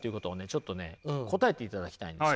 ちょっとね答えていただきたいんです。